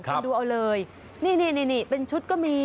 ดูเอาเลยนี่เป็นชุดก็มี